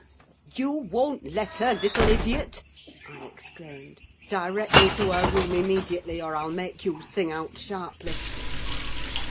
"You won't let her, little idiot!" I exclaimed. "Direct me to her room immediately, or I'll make you sing out sharply."